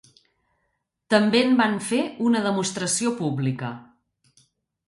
També en van fer una demostració pública.